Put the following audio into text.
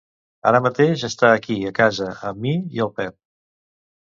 Ara mateix està aquí a casa amb mi i el Pep.